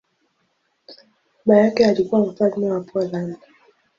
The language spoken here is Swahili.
Baba yake alikuwa mfalme wa Poland.